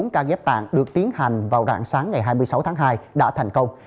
chín ca ghép tạng được tiến hành vào rạng sáng ngày hai mươi sáu tháng hai đã thành công